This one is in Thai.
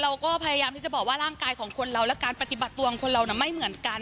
เราก็พยายามที่จะบอกว่าร่างกายของคนเราและการปฏิบัติตัวของคนเราไม่เหมือนกัน